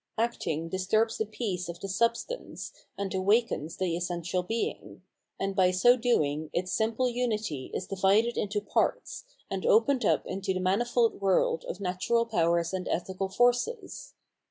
Acting disturbs the peace of the sub stance, and awakens the essential Being ; and by so doing its simple unity is divided into parts, and opened up into the manifold world of natural powers and ethical forces.